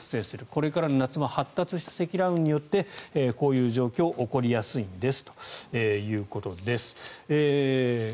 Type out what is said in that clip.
これからの夏も発達した積乱雲によってこういう状況が起こりやすいんですということです。